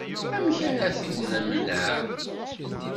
Amek ara t-id-nemneɛ?